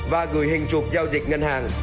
và gửi hình chụp giao dịch ngân hàng